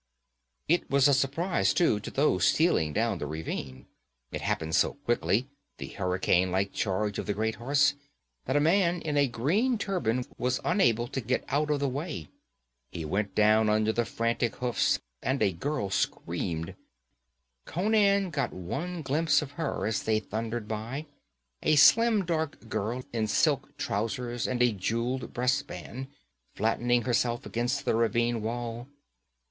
It was a surprize, too, to those stealing down the ravine. It happened so quickly the hurricane like charge of the great horse that a man in a green turban was unable to get out of the way. He went down under the frantic hoofs, and a girl screamed. Conan got one glimpse of her as they thundered by a slim, dark girl in silk trousers and a jeweled breast band, flattening herself against the ravine wall.